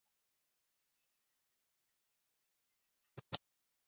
Winters are generally dry and summers wet.